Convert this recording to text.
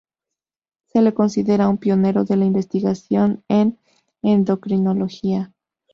Se le considera un pionero de la investigación en endocrinología.